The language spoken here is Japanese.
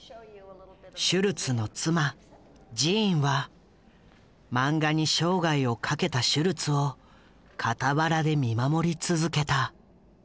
シュルツの妻ジーンは漫画に生涯をかけたシュルツを傍らで見守り続けた。